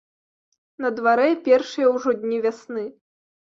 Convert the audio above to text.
На дварэ першыя ўжо дні вясны.